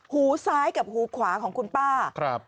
หูซ้ายกับหูขวาของคุณป้าครับ